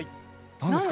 何ですか？